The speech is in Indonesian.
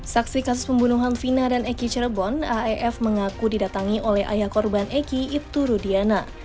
saksi kasus pembunuhan vina dan eki cirebon aef mengaku didatangi oleh ayah korban eki ibtu rudiana